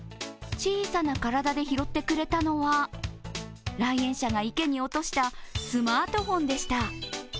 小さな体で拾ってくれたのは来園者が池に落としたスマートフォンでした。